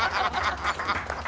ハハハハ！